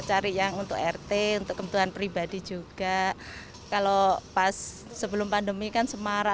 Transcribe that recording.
cari yang untuk rt untuk kebutuhan pribadi juga kalau pas sebelum pandemikan semarang